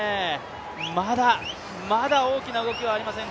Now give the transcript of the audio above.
まだ、まだ大きな動きはありません。